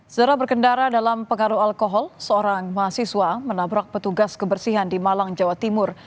setelah berkendara dalam pengaruh alkohol seorang mahasiswa menabrak petugas kebersihan di malang jawa timur